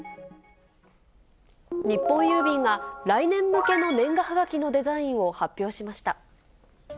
日本郵便が来年向けの年賀はがきのデザインを発表しました。